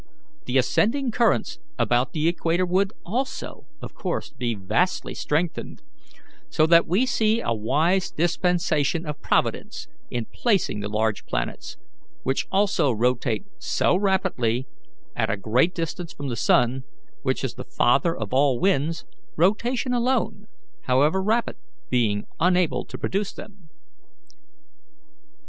The ascending currents about the equator would also, of course, be vastly strengthened; so that we see a wise dispensation of Providence in placing the large planets, which also rotate so rapidly, at a great distance from the sun, which is the father of all winds, rotation alone, however rapid, being unable to produce them."